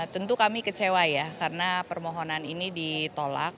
tentu kami kecewa ya karena permohonan ini ditolak